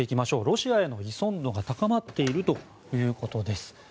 ロシアへの依存度が高まっているということです。